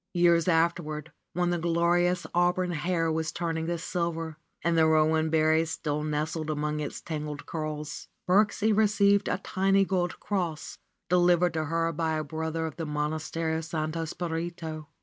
114 RENUNCIATION OF FRA SIMONETTA Years afterward, when the glorious auburn hair was turning to silver and the rowan berries still nestled among its tangled curls, Birksie received a tiny gold cross, delivered to her by a brother of the Monastery of Santo Spirito.